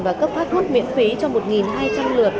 và cấp phát thuốc miễn phí cho một hai trăm linh lượt